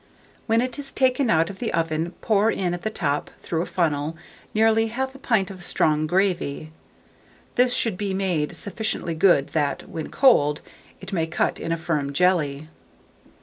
When it is taken out of the oven, pour in at the top, through a funnel, nearly 1/2 pint of strong gravy: this should be made sufficiently good that, when cold, it may cut in a firm jelly.